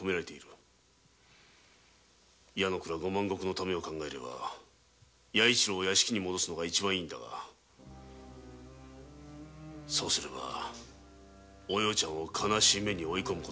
藩のためには弥一郎を屋敷へ戻すのが一番いいのだがそうすればお葉ちゃんを悲しい目に追い込む。